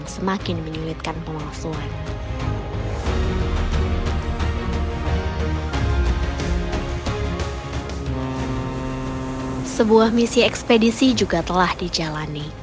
sebuah misi ekspedisi juga telah dijalani